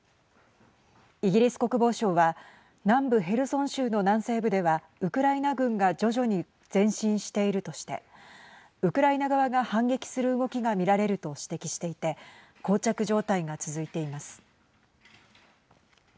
イギリス国防省は南部ヘルソン州の南西部ではウクライナ軍が徐々に前進しているとしてウクライナ側が反撃する動きが見られると指摘していてこう着状態が続いています。